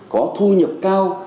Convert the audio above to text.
có thu nhập cao